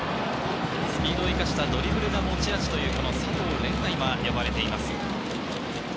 スピードを生かしたドリブルが持ち味という佐藤漣が今呼ばれています。